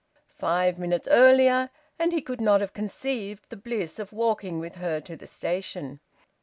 Five minutes earlier, and he could not have conceived the bliss of walking with her to the station.